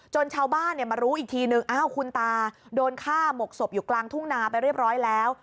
ชาวบ้านมารู้อีกทีนึงอ้าวคุณตาโดนฆ่าหมกศพอยู่กลางทุ่งนาไปเรียบร้อยแล้ว